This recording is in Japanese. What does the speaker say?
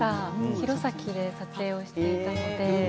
弘前で撮影をしていたので。